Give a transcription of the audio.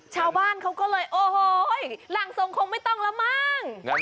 ชาวบ้านเขาก็เลยโอ้โหร่างทรงคงไม่ต้องแล้วมั้ง